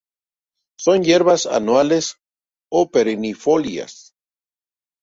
Son hierbas anuales o perennifolias.